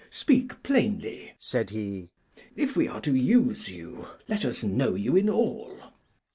"Speak plainly," said he. "If we are to use you, let us know you in all."